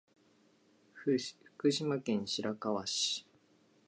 福島県白河市